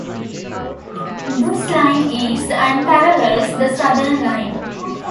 This line is and parallels the Southern line.